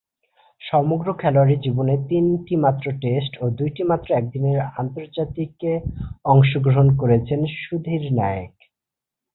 সমগ্র খেলোয়াড়ী জীবনে তিনটিমাত্র টেস্ট ও দুইটিমাত্র একদিনের আন্তর্জাতিকে অংশগ্রহণ করেছেন সুধীর নায়েক।